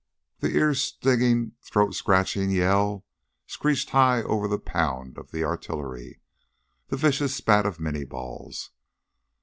The ear stinging, throat scratching Yell screeched high over the pound of the artillery, the vicious spat of Minié balls.